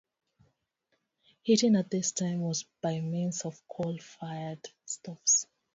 Heating at this time was by means of coal-fired stoves.